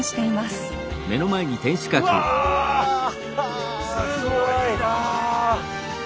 すごいなあ！